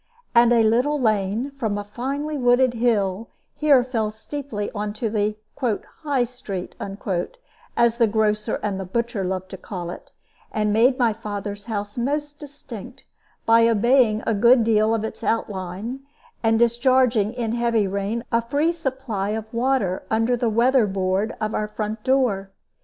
And a little lane, from a finely wooded hill, here fell steeply into the "High Street" (as the grocer and the butcher loved to call it), and made my father's house most distinct, by obeying a good deal of its outline, and discharging in heavy rain a free supply of water under the weather board of our front door.